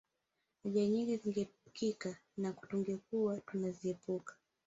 Ajali nyingine zingeepukika na tungekuwa tunaziepuka